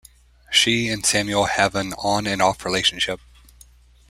She and Samuel have an on and off relationship.